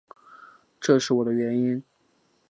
这是我的原因